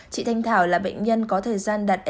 chị thanh thảo là bệnh nhân có thời gian đặt e